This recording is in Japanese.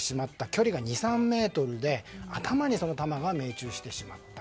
距離が２３ｍで頭にその弾が命中してしまった。